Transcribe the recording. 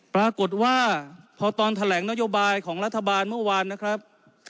ปรากฏว่าพอตอนแถลงนโยบายของรัฐบาลเมื่อวานนะครับ